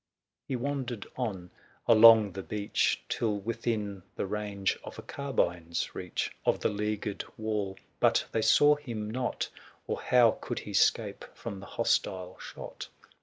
He wandered on, along the beach, 395 Till within the range of a carbine's reach Of the leaguered wall ; but they saw him not, Or how could he 'scape from the hostile shot